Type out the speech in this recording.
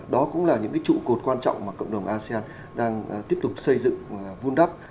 đó cũng là những trụ cột quan trọng mà cộng đồng asean đang tiếp tục xây dựng vun đắp